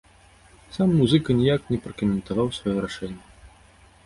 Сам музыка ніяк не пракаментаваў сваё рашэнне.